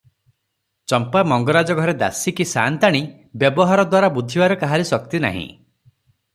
ଚମ୍ପା ମଙ୍ଗରାଜ ଘରେ ଦାସୀ କି ସାଆନ୍ତାଣୀ, ବ୍ୟବହାରଦ୍ୱାରା ବୁଝିବାର କାହାରି ଶକ୍ତି ନାହିଁ ।